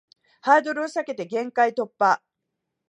ハードルを下げて限界突破